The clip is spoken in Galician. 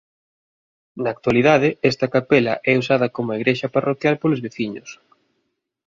Na actualidade esta capela é usada coma igrexa parroquial polos veciños.